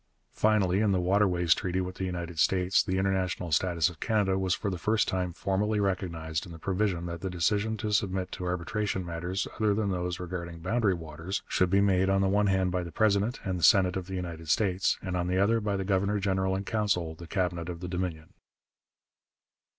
Finally, in the Waterways Treaty with the United States, the international status of Canada was for the first time formally recognized in the provision that the decision to submit to arbitration matters other than those regarding boundary waters should be made on the one hand by the President and Senate of the United States, and on the other by the Governor General in Council, the Cabinet of the Dominion.